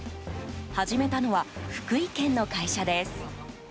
始めたのは福井県の会社です。